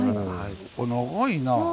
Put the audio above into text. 長いな。